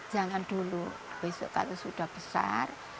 jangan dulu besok kalau sudah besar